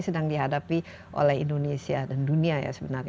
sedang dihadapi oleh indonesia dan dunia ya sebenarnya